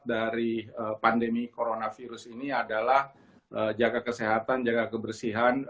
dari pandemi coronavirus ini adalah jaga kesehatan jaga kebersihan